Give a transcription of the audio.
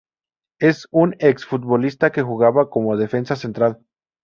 Es un exfutbolista que jugaba como defensa central.